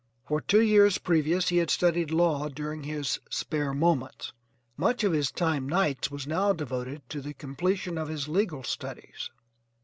For two years previous he had studied law during his SPARE MOMENTS; much of his time nights was now devoted to the completion of his legal studies.